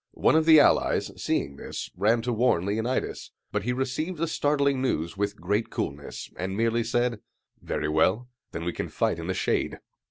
One of the allies, seeing this, ran to warn Leonidas; but he received the startling news with great coolness, and merely said, "Very well; then we can fight in the shade."